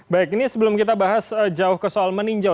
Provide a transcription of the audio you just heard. baik ini sebelum kita bahas jauh ke soal meninjau